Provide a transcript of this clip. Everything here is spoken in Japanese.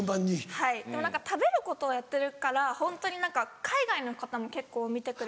はいでも何か食べることをやってるからホントに何か海外の方も結構見てくれて。